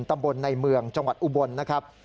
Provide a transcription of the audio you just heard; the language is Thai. ตำบลในเมืองจังหวัดอุบลนะครับ